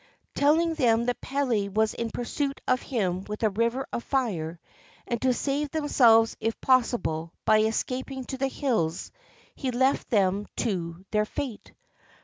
TelHng them that Pele was in pursuit of him with a river of fire, and to save themselves if possible, by escaping to the hills, he left them to their fate.